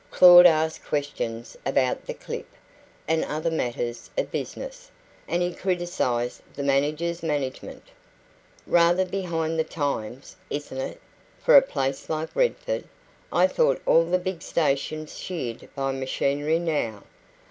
Claud asked questions about the clip, and other matters of business; and he criticised the manager's management. "Rather behind the times isn't it? for a place like Redford. I thought all the big stations sheared by machinery now."